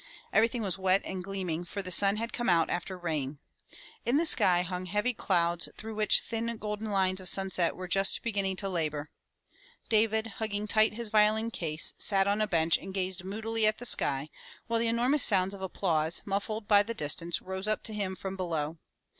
Everything was wet and gleaming, for the sun had come out after rain. In the sky hung heavy clouds 211 MY BOOK HOUSE through which thin golden lines of sunset were just beginning to labor. David, hugging tight his violin case, sat on a bench and gazed moodily at the sky, while the enormous sounds of applause, muffled by the distance, rose up to him from below.